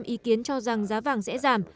ba mươi bốn ý kiến cho rằng giá vàng sẽ giảm